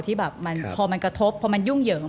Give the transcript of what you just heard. ที่แบบเพราะมันกระทบพอมันยุ่งเหยือม